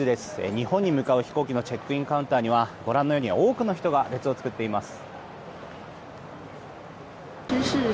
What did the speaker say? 日本に向かう飛行機のチェックインカウンターにはご覧のように多くの人が列を作っています。